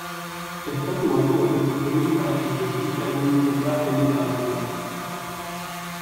Estatu Batuetan edulkoratzaile gisa erabiltzen da elikagaietan.